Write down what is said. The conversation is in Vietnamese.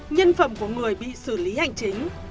nhân phẩm của người bị xử lý hành chính